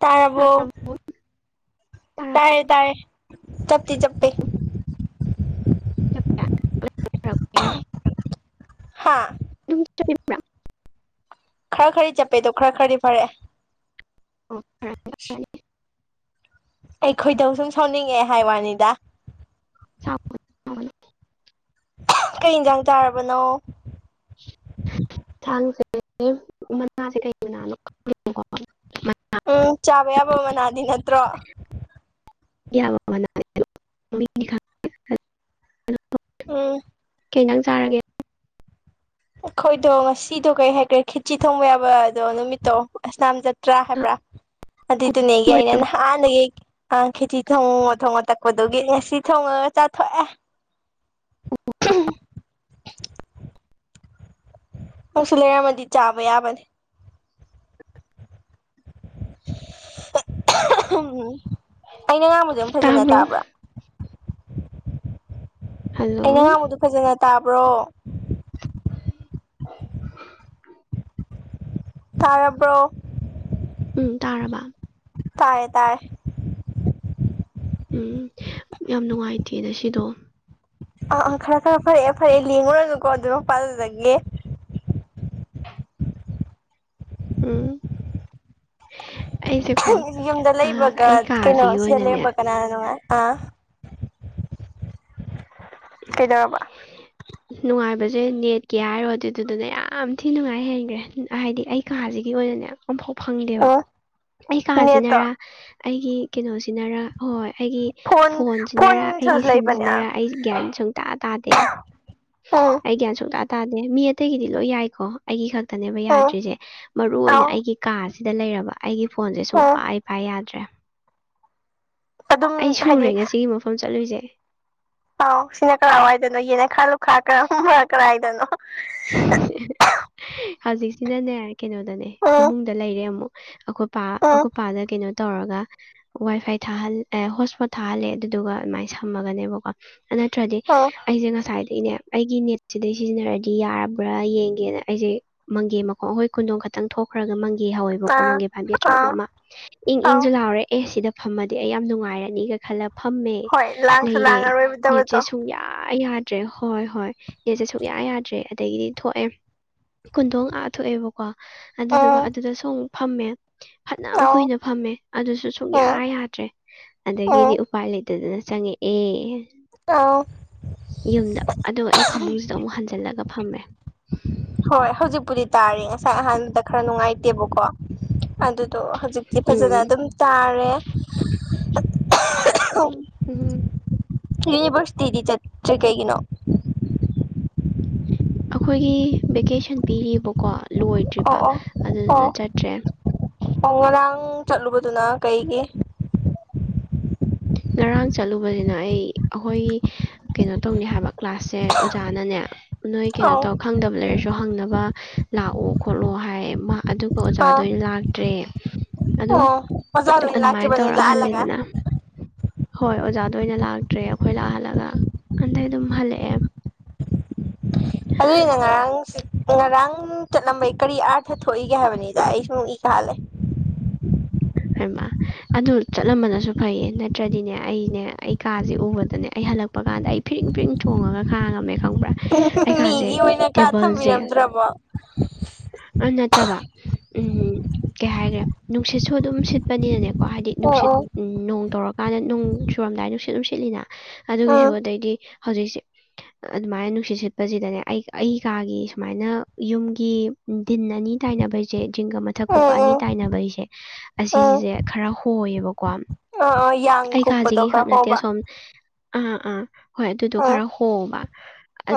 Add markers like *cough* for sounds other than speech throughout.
ꯇꯥꯔꯕꯣ ꯇꯥꯏꯔꯦ ꯇꯥꯏꯔꯦ ꯆꯞꯇꯤ ꯆꯞꯄꯦ *unintelligible* ꯍꯥꯥ ꯑꯗꯨꯝ ꯆꯞꯄꯤꯕꯔꯥ ꯈꯔ ꯈꯗꯤ ꯆꯠꯄꯦ ꯑꯗꯣ ꯈꯔ ꯈꯔꯗꯤ ꯐꯔꯛꯑꯦ ꯑꯣ ꯐꯔꯛꯑꯅꯤ ꯐꯔꯛꯑꯅꯤ ꯑꯩ ꯈꯣꯏꯗꯧ ꯁꯨꯝ ꯁꯥꯎꯅꯤꯡꯉꯛꯑꯦ ꯍꯥꯏ ꯋꯥꯅꯤꯗ ꯁꯥꯎꯒꯅꯨ ꯁꯥꯎꯒꯅꯨ ꯀꯩ ꯏꯟꯖꯥꯡ ꯆꯥꯔꯕꯅꯣ ꯊꯡ *unintelligible* ꯃꯅꯥꯁꯦ ꯀꯩ ꯃꯅꯣ ꯈꯪꯗꯦ ꯑꯣ ꯎꯝ ꯆꯥꯕ ꯌꯥꯕ ꯃꯅꯥꯗꯤ ꯅꯠꯇ꯭ꯔꯣ ꯌꯥꯕꯥ ꯃꯅꯥꯅꯤ ꯃꯥꯃꯤꯡꯗꯤ ꯈꯪꯗꯦ *unintelligible* ꯎꯝ ꯀꯩ ꯏꯟꯖꯡ ꯆꯔꯒꯦ ꯑꯩꯈꯣꯏꯗꯣ ꯉꯁꯤꯗꯣ ꯀꯩ ꯍꯥꯏꯈ꯭ꯔꯦ ꯈꯦꯠꯆꯤ ꯊꯣꯡꯕ ꯌꯥꯕꯗꯣ ꯅꯨꯃꯤꯠꯇꯣ ꯑꯁꯅꯥꯝ ꯖꯇ꯭ꯔꯥ ꯍꯥꯏꯕ꯭ꯔꯥ ꯑꯗꯨꯏꯗꯨꯅꯦ ꯑꯩꯒꯤ ꯑꯩꯅ ꯍꯥꯟꯅꯗꯒꯤ ꯑꯥ ꯈꯦꯠꯆꯤ ꯊꯣꯡꯉꯣ ꯊꯣꯡꯉꯣ ꯇꯛꯄꯗꯨꯒꯤ ꯉꯁꯤ ꯊꯣꯡꯉꯒ ꯆꯥꯊꯣꯛꯑꯦ ꯎꯝ ꯅꯪꯁꯨ ꯂꯩꯔꯝꯃꯗꯤ ꯆꯥꯕ ꯌꯥꯕꯅꯦ ꯑꯩꯅ ꯉꯥꯡꯕꯁꯦ ꯑꯗꯨꯝ ꯐꯖꯅ ꯇꯥꯕ꯭ꯔꯥ ꯑꯩꯅꯥ ꯉꯡꯕꯗꯨ ꯐꯖꯅ ꯇꯥꯕ꯭ꯔꯣ ꯇꯥꯔꯕ꯭ꯔꯣ ꯎꯝ ꯇꯥꯔꯕ ꯇꯥꯔꯦ ꯇꯥꯔꯦ ꯎꯝ ꯌꯥꯝ ꯅꯨꯡꯉꯥꯏꯇꯦꯌꯦ ꯉꯥꯁꯤꯗꯣ ꯑꯥ ꯑꯥ ꯈꯔ ꯈꯔ ꯐꯔꯛꯑꯦ ꯐꯔꯛꯑꯦ ꯂꯦꯡꯉꯨꯔꯅꯨꯀꯣ ꯑꯗꯨ ꯃꯄꯥꯗꯨꯗꯒꯤ ꯎꯝ ꯌꯨꯝꯗ ꯂꯩꯕꯒ ꯀꯩꯅꯣ ꯀꯥꯁꯤꯒꯤ ꯁꯤꯗ ꯂꯩꯔꯝꯕ ꯑꯣꯏꯅꯅꯦ ꯀꯅꯥꯅ ꯅꯨꯡꯉꯥꯏ ꯑꯥ ꯀꯩꯗꯧꯔꯕ ꯅꯨꯡꯉꯥꯏꯕꯁꯦ ꯅꯦꯠꯀꯤ ꯍꯥꯏꯔꯨꯔꯗꯤ ꯑꯗꯨꯗꯅ ꯌꯥꯝ ꯊꯤ ꯅꯨꯡꯉꯥꯏ ꯍꯦꯟꯈ꯭ꯔꯦ ꯍꯥꯏꯗꯤ ꯑꯩ ꯑꯩ ꯀꯥꯁꯤꯒꯤ ꯑꯣꯏꯅꯅꯦ ꯑꯃꯝꯐꯥꯎ ꯐꯪꯗꯦꯕ ꯑꯣ ꯑꯩ ꯅꯦꯠꯇꯣ ꯀꯥꯁꯤꯅꯔꯥ ꯑꯩꯒꯤ ꯀꯩꯅꯣꯁꯤꯅꯔꯥ ꯍꯣꯏ ꯑꯩꯒꯤ ꯐꯣꯟ ꯐꯣꯟꯁꯤꯅꯔ ꯐꯣꯟꯁꯨ ꯑꯩꯒꯤ ꯂꯩꯕꯅꯦ ꯑꯥ ꯁꯤꯝꯁꯤꯅꯔ ꯑꯩ ꯒ꯭ꯌꯥꯟ ꯁꯨꯡꯇꯥ ꯇꯥꯗꯦ ꯎꯝ ꯑꯩ ꯒ꯭ꯌꯥꯟ ꯁꯨꯡꯇꯥ ꯇꯥꯗꯦ ꯃꯤ ꯑꯇꯩꯒꯤꯗꯤ ꯂꯣꯏ ꯌꯥꯏꯀꯣ ꯑꯩꯒꯤ ꯈꯛꯇꯅꯦꯕ ꯎꯝ ꯌꯥꯗ꯭ꯔꯤꯁꯦ ꯃꯔꯨꯏ ꯑꯥꯎ ꯑꯣꯏꯅ ꯑꯩꯒꯤ ꯀꯥꯁꯤꯗ ꯂꯩꯔꯕ ꯑꯩꯒꯤ ꯐꯣꯟꯁꯦ ꯁꯨꯡ ꯎꯝ ꯄꯥꯏ ꯄꯥꯏ ꯌꯥꯗ꯭ꯔꯦ ꯑꯗꯨꯝ ꯑꯩ ꯁꯨꯔꯦ ꯍꯥꯏꯗꯤ ꯉꯁꯤꯒꯤ ꯃꯐꯝ ꯆꯠꯂꯨꯏꯁꯦ ꯑꯥꯎ ꯁꯤꯅ ꯀꯔꯥꯏꯋꯥꯏꯗꯅꯣ ꯌꯦꯅꯈꯥ ꯂꯨꯈꯥ ꯀꯔꯝꯕ ꯀꯗꯥꯏꯗꯅꯣ ꯍꯧꯖꯤꯛꯁꯤꯅꯅꯦ ꯀꯩꯅꯣꯗꯅꯦ ꯎꯝ ꯐꯃꯨꯡꯗ ꯂꯩꯔꯦ ꯑꯃꯨꯛ ꯑꯩꯈꯣꯏ ꯄꯥ ꯎꯝ ꯑꯈꯣꯏꯄꯥꯅꯥ ꯀꯩꯅꯣ ꯇꯧꯔꯒ ꯋꯥꯏ ꯐꯥꯏ ꯊꯥꯍꯜ ꯍꯣꯠ ꯁꯄꯣꯠ ꯊꯥꯍꯜꯂꯦ ꯑꯗꯨꯗꯨꯒ ꯑꯗꯨꯃꯥꯏꯅ ꯁꯝꯃꯒꯅꯦꯕꯀꯣ ꯑꯗꯨ ꯅꯠꯇ꯭ꯔꯗꯤ ꯑꯣ ꯑꯩꯁꯦ ꯉꯁꯥꯏꯗꯒꯤꯅꯦ ꯑꯩꯒꯤ ꯅꯦꯠꯁꯤꯗꯩ ꯁꯤꯖꯤꯟꯅꯇꯥꯗꯤ ꯌꯥꯔꯕ꯭ꯔꯥ ꯌꯦꯡꯒꯦꯅ ꯑꯩꯁꯦ ꯃꯪꯒꯦ ꯃꯈꯣꯡ ꯑꯩꯈꯣꯏ ꯈꯨꯟꯗꯣꯡ ꯈꯤꯇꯪ ꯊꯣꯛꯈ꯭ꯔꯒ ꯃꯪꯒꯦ ꯍꯧꯋꯦꯕꯀꯣ ꯑꯥ ꯃꯪꯒꯦ ꯄꯥꯝꯕꯤ ꯑꯆꯧꯕ ꯑꯥ ꯑꯃ ꯏꯪ ꯑꯥꯎ ꯏꯪꯁꯨ ꯂꯥꯎꯔꯦ ꯑꯦ ꯁꯤꯗ ꯐꯝꯃꯗꯤ ꯑꯩ ꯌꯥꯝ ꯅꯨꯡꯉꯥꯏꯔꯅꯤꯒ ꯈꯜꯂ ꯐꯝꯃꯦ ꯍꯣꯏ ꯂꯥꯡꯁꯨ ꯂꯩꯔꯦ ꯂꯥꯡꯉꯔꯣꯏꯗꯕꯗꯣ ꯅꯦꯠꯁꯦ ꯁꯨꯡꯌꯥ ꯌꯥ ꯇ꯭ꯔꯦ ꯍꯣꯏ ꯍꯣꯏ ꯅꯦꯠꯁꯦ ꯁꯨꯛꯌꯥ ꯌꯥꯗ꯭ꯔꯦ ꯑꯗꯒꯤꯗꯤ ꯊꯣꯛꯑꯦ ꯀꯨꯟꯗꯣꯡ ꯑꯥ ꯊꯣꯛꯑꯦꯕꯀꯣ ꯑꯗꯨꯗꯨꯒ ꯎꯝ ꯑꯗꯨꯗꯁꯨ ꯑꯃꯨꯛ ꯐꯝꯃꯦ ꯐꯅꯥꯝ ꯑꯥꯎ ꯀꯨꯏꯅ ꯐꯝꯃꯦ ꯑꯗꯨꯁꯨ ꯁꯨꯡꯌꯥ ꯎꯝ ꯌꯥꯗ꯭ꯔꯦ ꯎꯝ ꯑꯗꯒꯤꯗꯤ ꯎꯄꯥꯏ ꯂꯩꯇꯗꯅ ꯆꯪꯉꯛꯑꯦ *unintelligible* ꯌꯨꯝꯗ ꯑꯗꯣ ꯑꯩ ꯐꯃꯨꯡꯖꯤꯗ ꯑꯃꯨꯛ ꯍꯟꯖꯜꯂꯒ ꯐꯝꯃꯦ ꯍꯣꯏ ꯍꯧꯖꯤꯛꯄꯨꯗꯤ ꯇꯥꯔꯦ ꯉꯁꯥꯏ ꯑꯍꯥꯟꯕꯗ ꯈꯔ ꯅꯨꯡꯉꯥꯏꯇꯦꯕꯀꯣ ꯑꯗꯨꯗꯣ ꯍꯧꯖꯤꯛꯇꯤ ꯐꯖꯅ ꯎꯝ ꯑꯗꯨꯝ ꯇꯥꯔꯦ ꯎꯝ ꯎꯅꯤꯕꯔꯁꯇꯤꯗꯤ ꯆꯠ-ꯇ꯭ꯔꯦ ꯀꯩꯒꯤꯅꯣ ꯑꯈꯣꯏꯒꯤ ꯚꯦꯀꯦꯁꯟ ꯄꯤꯔꯤꯕꯀꯣ ꯑꯣ ꯂꯣꯏꯗ꯭ꯔꯤꯕ ꯑꯣ ꯑꯗꯨꯗꯨꯅ ꯑꯣ ꯆꯠꯇ꯭ꯔꯦ ꯑꯣ ꯉꯔꯥꯡ ꯆꯠꯂꯨꯕꯗꯨꯅ ꯀꯩꯒꯤ ꯉꯔꯥꯡ ꯆꯠꯂꯨꯕꯖꯤꯅ ꯑꯩ ꯑꯈꯣꯏꯒꯤ ꯀꯩꯅꯣ ꯇꯧꯅꯤ ꯍꯥꯏꯕ ꯀ꯭ꯂꯥꯁꯁꯦ ꯑꯣꯖꯥꯅꯅꯦ ꯅꯣꯏ ꯀꯩꯅꯣ ꯑꯧ ꯇꯧ ꯈꯪꯗꯕ ꯂꯩꯔꯁꯨ ꯍꯪꯅꯕ ꯂꯥꯛꯑꯣ ꯈꯣꯠꯂꯣ ꯍꯥꯏꯌꯦ ꯃꯥ ꯑꯗꯨꯒ ꯑꯣꯖꯥꯗꯣ ꯑꯥ ꯑꯣꯏꯅ ꯂꯥꯛꯇ꯭ꯔꯦ ꯑꯗꯨꯝ ꯑꯣ ꯑꯣꯖꯥꯗꯣ ꯑꯣꯏꯅ ꯑꯗꯨꯃꯥꯏꯅ ꯂꯥꯛꯇ꯭ꯔꯤꯕ ꯅꯣꯏ ꯂꯥꯛꯍꯜꯂꯒ ꯇꯧꯔꯍꯜꯂꯦꯗꯅ ꯍꯣꯏ ꯑꯣꯖꯥꯗꯣ ꯑꯣꯏꯅ ꯂꯥꯛꯇ꯭ꯔꯦ ꯑꯈꯣꯏ ꯂꯥꯛꯍꯜꯂꯒ ꯑꯗꯩ ꯑꯗꯨꯝ ꯍꯜꯂꯛꯑꯦ ꯑꯗꯨꯏ ꯅꯪ ꯉꯔꯥꯡ ꯁꯤ ꯉꯔꯥꯡ ꯆꯠꯂꯝꯕꯩ ꯀꯔꯤ ꯑꯥꯔꯊ ꯊꯣꯛꯏꯒꯦ ꯍꯥꯏꯕꯅꯤꯗ ꯑꯩ ꯁꯨꯝ ꯏ ꯀꯍꯜꯂꯦ ꯍꯩꯃ ꯑꯗꯨ ꯆꯠꯂꯝꯕꯅꯁꯨ ꯐꯩꯌꯦ ꯅꯠꯇ꯭ꯔꯗꯤꯅꯦ ꯑꯩꯅꯦ ꯑꯩ ꯀꯥꯁꯦ ꯎꯕꯗꯅꯦ ꯑꯩ ꯍꯜꯂꯛꯄꯀꯥꯟꯗ ꯑꯩ ꯐꯤꯔꯤꯡ ꯐꯤꯔꯤꯡ ꯊꯣꯡꯉꯒ ꯈꯥꯡꯉꯝꯃꯦ ꯈꯪꯕ꯭ꯔꯥ ꯑꯩ ꯀꯥꯖꯦ ꯃꯤꯒꯤ ꯑꯣꯏꯅ ꯀꯥ ꯇꯦꯕꯜꯖꯦ ꯊꯝꯕꯤꯔꯝꯗ꯭ꯔꯕꯣ ꯑ ꯅꯠꯇꯕ ꯎꯝ ꯀꯩ ꯍꯥꯏꯒ꯭ꯔꯦ ꯅꯨꯡꯁꯤꯠꯁꯨ ꯑꯗꯨꯝ ꯁꯤꯠꯄꯅꯤꯅꯅꯦ ꯀꯣ ꯍꯥꯏꯗꯤ ꯅꯨꯡꯁꯤꯠ ꯎꯝ ꯅꯣꯡ ꯇꯧꯔꯀꯥꯟꯗ ꯅꯨꯡ ꯆꯨꯔꯝꯗꯥꯏ ꯅꯨꯡꯁꯤꯠ ꯑꯗꯨꯝ ꯁꯤꯠꯂꯤꯅ ꯑꯗꯨꯒꯤꯖꯨ ꯎꯝ ꯑꯗꯩꯗꯤ ꯍꯧꯖꯤꯛꯁꯤ ꯑꯗꯨꯃꯥꯏꯟ ꯅꯨꯡꯁꯤꯠ ꯁꯤꯠꯄꯖꯤꯗꯅꯦ ꯑꯩ ꯑꯩ ꯀꯥꯒꯤ ꯁꯨꯃꯥꯏꯅ ꯌꯨꯝꯒꯤ ꯗꯤꯟ ꯑꯅꯤ ꯇꯥꯏꯅꯕꯩꯖꯦ ꯖꯤꯡꯒ ꯃꯊꯛ ꯎꯝ ꯎꯝ ꯀꯨꯞꯄ ꯑꯅꯤ ꯎꯝ ꯇꯥꯏꯅꯕꯩꯖꯦ ꯎꯝ ꯑꯁꯤꯖꯤꯖꯦ ꯈꯔ ꯍꯣꯏꯌꯦꯕꯀꯣ ꯑꯥ ꯑꯥ ꯌꯥꯡ ꯑꯩ ꯀꯨꯞꯄꯗꯣ ꯀꯥꯖꯤꯒꯤ ꯈꯛ ꯈꯔ ꯅꯠꯇꯦ ꯍꯣꯕ ꯑꯁꯣꯝ ꯑꯥ ꯑꯥ ꯍꯣꯏ ꯑꯗꯨꯗꯣ ꯎꯝ ꯈꯔ ꯍꯣꯕ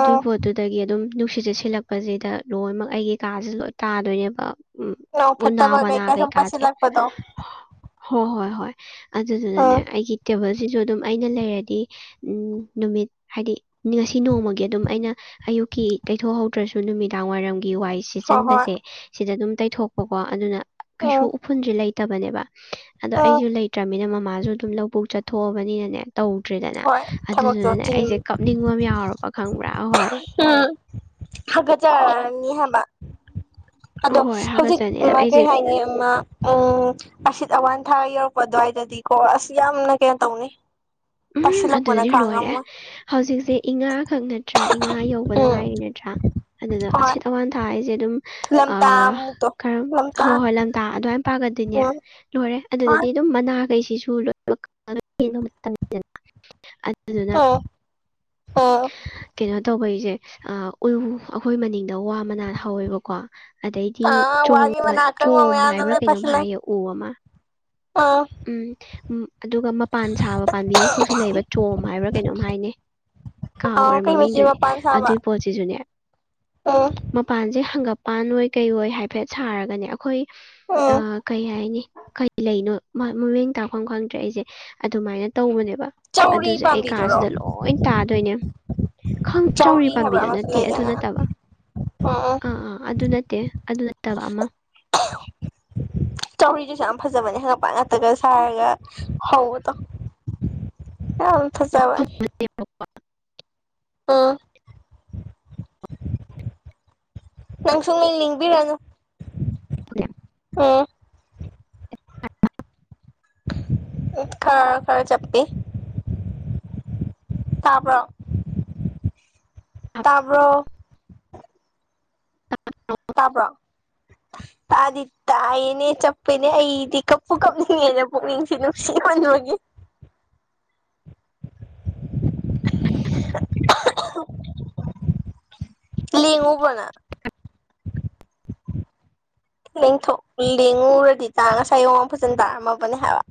ꯎꯝ ꯄꯣꯠꯇꯨ ꯇꯒꯤ ꯑꯗꯨꯝ ꯅꯨꯡꯁꯤꯠꯖꯦ ꯁꯤꯜꯂꯛꯄꯖꯤꯗ ꯂꯣꯏꯃꯛ ꯑꯩꯒꯤ ꯀꯥꯥꯖꯤꯖꯨ ꯂꯣꯏ ꯇꯥꯗꯣꯏꯅꯦꯕ ꯎꯝ ꯅꯣꯡ ꯄꯣꯅꯥ ꯐꯠꯇꯕ ꯋꯥꯅ ꯀꯩꯀꯥ ꯁꯨꯝ ꯀꯩꯀꯥꯖꯦ ꯄꯥꯏꯁꯤꯜꯂꯛꯄꯗꯣ ꯍꯣ ꯍꯣꯏ ꯍꯣꯏ ꯑꯗꯨꯗꯨꯅꯅꯦ ꯑꯩꯒꯤ ꯇꯦꯕꯜ ꯖꯤꯖꯨ ꯑꯗꯨꯝ ꯑꯩꯅ ꯂꯩꯔꯗꯤ ꯎꯝ ꯅꯨꯃꯤꯠ ꯍꯥꯏꯗꯤ ꯅꯤ ꯉꯁꯤ ꯅꯣꯡꯃꯒꯤ ꯑꯗꯨꯝ ꯑꯩꯅ ꯑꯌꯨꯛꯀꯤ ꯇꯩꯊꯣꯛꯍꯧꯗ꯭ꯔꯁꯨ ꯅꯨꯃꯤꯗꯥꯡ ꯋꯥꯏꯔꯝꯒꯤ ꯋꯥꯏꯁꯤ ꯍꯣꯏ ꯍꯣꯏ ꯆꯤꯆꯟꯕꯖꯦ ꯁꯤꯗ ꯑꯗꯨꯝ ꯇꯩꯊꯣꯛꯄꯀꯣ ꯑꯗꯨꯅ ꯀꯩꯁꯨ ꯎꯐꯨꯟꯖꯦ ꯂꯩꯇꯕꯅꯦꯕ ꯑꯗꯣ ꯑꯩꯖꯨ ꯂꯩꯇ꯭ꯔꯃꯤꯅ ꯃꯃꯥꯖꯨ ꯑꯗꯨꯝ ꯂꯧꯕꯨꯛ ꯆꯠꯊꯣꯛꯑꯕꯅꯤꯅꯅꯦ ꯇꯧꯗ꯭ꯔꯦꯗꯅ ꯍꯣꯏ ꯊꯕꯛꯇꯣ ꯑꯗꯨꯗꯨꯅꯅꯦ ꯆꯤꯟ ꯑꯩꯖꯦ ꯀꯞꯅꯤꯡꯕ ꯑꯝ ꯌꯥꯎꯔꯕ ꯈꯪꯕ꯭ꯔꯥ ꯍꯣꯏ ꯎꯝ ꯍꯥꯀ ꯆꯔꯅꯤ ꯍꯕ ꯑꯗꯣ ꯍꯣꯏ ꯍꯧꯖꯤꯛ ꯍꯥꯒꯠꯆꯅꯤꯅ ꯑꯃ ꯑꯩꯁꯦ ꯀꯩ ꯍꯥꯏꯅꯤ ꯑꯃꯥ ꯑ ꯑꯁꯤꯠ ꯑꯋꯥꯟꯊꯥ ꯌꯧꯔꯛꯄ ꯑꯗ꯭ꯋꯥꯏꯗꯗꯤ ꯀꯣ ꯑꯁ ꯌꯥꯝꯅ ꯀꯩꯅꯣ ꯇꯧꯅꯤ ꯎꯝ ꯄꯥꯏꯁꯤꯜꯂꯛꯄꯅ ꯑꯗꯨꯗꯗꯤ ꯈꯥꯡ ꯂꯣꯏꯔꯦ ꯉꯝꯃꯣꯏ ꯍꯧꯖꯤꯛꯖꯦ ꯏꯉꯥꯈꯛ ꯅꯠꯇ꯭ꯔꯥ ꯏꯉꯥ ꯌꯧꯕꯗ ꯎꯝ ꯉꯥꯏꯔꯤ ꯅꯠꯇ꯭ꯔꯥ ꯑꯗꯨꯗ ꯑꯁꯤꯠ ꯑꯋꯥꯟꯊꯥ ꯍꯥꯏꯖꯦ ꯑꯗꯨꯝ ꯂꯝꯇꯥ *unintelligible* ꯂꯝꯇꯥ ꯇꯥ ꯑꯗꯨꯋꯥꯥꯏꯅ ꯄꯥꯒꯗꯣꯏꯅꯦ ꯎꯝ ꯂꯣꯏꯔꯦ ꯍꯣꯏ ꯑꯗꯨꯗꯗꯤ ꯑꯗꯨꯝ ꯃꯅꯥꯈꯩꯁꯤꯁꯨ ꯂꯣꯏ *unintelligible* ꯑꯗꯨꯗꯨꯅ ꯎꯝ ꯎꯝ ꯀꯩꯅꯣ ꯇꯧꯕꯩꯁꯦ ꯑꯥ ꯑꯩꯈꯣꯏ ꯃꯅꯤꯡꯗ ꯋꯥ ꯃꯅꯥꯜ ꯍꯧꯋꯦꯕꯀꯣ ꯑꯗꯩꯗꯤ ꯑꯥ ꯆꯣꯡ ꯋꯥꯒꯤ ꯃꯅꯥ ꯑꯀꯪꯕ ꯆꯣꯝ ꯃꯌꯥꯝꯗꯣ ꯍꯥꯏꯕ꯭ꯔꯥ ꯂꯣꯏ ꯀꯩꯅꯣꯝ ꯄꯥꯏꯁꯤꯜꯂꯛ ꯍꯥꯏꯌꯦ ꯎ ꯑꯃ ꯑꯥ ꯎꯝ ꯑꯗꯨꯒ ꯃꯄꯥꯟ ꯁꯥꯕ ꯄꯥꯝꯕꯤ ꯑꯃꯈꯛꯁꯨ ꯂꯩꯕ ꯆꯣꯝ ꯍꯥꯏꯕ꯭ꯔꯥ ꯀꯩꯅꯣꯝ ꯍꯥꯏꯅꯦ ꯑꯥ ꯀꯥꯎꯈꯔꯦ ꯀꯩ ꯃꯆꯨꯒꯤ ꯃꯃꯤꯡꯗꯨꯗꯤ ꯃꯄꯥꯟ ꯁꯥꯕ ꯑꯗꯨꯏ ꯄꯣꯠꯁꯤꯁꯨꯅꯦ ꯎꯝ ꯃꯄꯥꯟꯁꯦ ꯍꯪꯒꯝꯄꯥꯜ ꯑꯣꯢ ꯀꯩ ꯑꯣꯏ ꯍꯥꯏꯐꯦꯠ ꯁꯥꯔꯒꯅꯦ ꯑꯩꯈꯣꯏ ꯎꯝ ꯀꯩ ꯍꯥꯏꯅꯤ ꯀꯔꯤ ꯂꯩꯅꯣ ꯃꯃꯤꯡ ꯇꯥꯛꯐꯝ ꯈꯪꯗ꯭ꯔꯦ ꯑꯩꯁꯦ ꯑꯗꯨꯃꯥꯏꯅ ꯇꯧꯕꯅꯦꯕ ꯆꯧꯔꯤ ꯑꯗꯨꯁꯨ ꯑꯩ ꯄꯥꯝꯕꯤꯗꯨꯔꯣ ꯀꯥꯁꯤꯗ ꯂꯣꯏ ꯇꯥꯗꯣꯏꯅꯦ ꯈꯪ ꯆꯥꯎꯔꯤ ꯍꯥꯏꯕ ꯄꯥꯝꯕꯤꯗꯨ ꯑꯃꯁꯨ ꯅꯠꯇꯦ ꯑꯗꯨ ꯂꯩꯗꯅ ꯅꯠꯇꯕ ꯎꯝ ꯑꯥ ꯑꯥ ꯑꯗꯨ ꯅꯠꯇꯦ ꯑꯗꯨ ꯅꯠꯇꯕ ꯑꯃ ꯍ *inaudible* ꯆꯧꯔꯤꯗꯨꯁꯨ ꯌꯥꯝ ꯐꯖꯕꯅꯦ ꯍꯪꯒꯥꯝꯄꯥꯜ ꯉꯛꯇꯒ ꯁꯥꯔꯒ ꯍꯧꯕꯗꯣ ꯑꯣ ꯐꯖꯕꯅꯦ *unintelligible* ꯑꯥ ꯅꯪ ꯁꯨꯡꯅꯤꯡ ꯅꯤꯡꯕꯤꯔꯅꯨ ꯎ *inaudible* ꯑꯝ ꯑ *unintelligible* ꯈꯔ ꯈꯔ ꯆꯞꯄꯤ ꯇꯥꯕ꯭ꯔꯣ ꯇꯥꯕ꯭ꯔꯣ ꯇꯥꯕ꯭ꯔꯣ ꯇꯥꯗꯤ ꯇꯥꯏꯌꯦꯅꯦ ꯆꯞꯄꯦꯅꯦ ꯑꯩꯗꯤ ꯀꯞꯄꯨ ꯀꯞꯅꯤꯡꯉꯦꯅ ꯄꯨꯛꯅꯤꯡꯁꯤ ꯅꯨꯡꯁꯤ ꯃꯟꯕꯒꯤ ꯂꯦꯡꯉꯨꯕ꯭ꯔꯣ ꯅꯪ ꯎ *inaudible* ꯂꯦꯡ ꯂꯦꯡꯉꯨꯔꯗꯤ ꯇꯥꯡ ꯉꯁꯥꯏꯉꯩ ꯐꯖꯅ ꯇꯥꯔꯝꯃꯕꯅꯦ ꯍꯥꯏꯕ